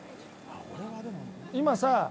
今さ。